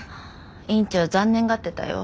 院長残念がってたよ。